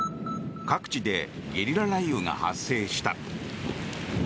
各地でゲリラ雷雨が発生した。